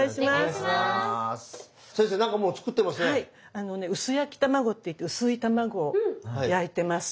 あのね薄焼き卵っていって薄い卵を焼いてます。